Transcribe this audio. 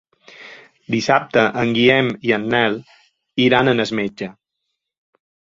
Dissabte en Guillem i en Nel iran al metge.